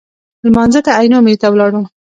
لمانځه ته عینومېنې ته ولاړو.